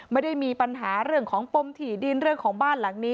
ไม่ได้มีปัญหาเรื่องของปมถี่ดินเรื่องของบ้านหลังนี้